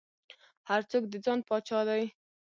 هر څوک د ځان پاچا دى.